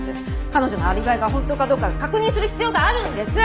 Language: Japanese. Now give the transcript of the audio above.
彼女のアリバイが本当かどうか確認する必要があるんです！